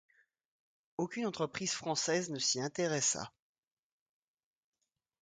Aucune entreprise française ne s’y intéressa.